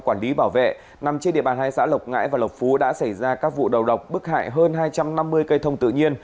quản lý bảo vệ nằm trên địa bàn hai xã lộc ngãi và lộc phú đã xảy ra các vụ đầu độc bức hại hơn hai trăm năm mươi cây thông tự nhiên